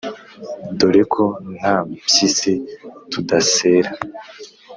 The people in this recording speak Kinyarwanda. _Dore ko nta mpyisi tudasera